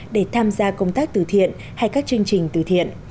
để tham gia công tác từ thiện hay các chương trình từ thiện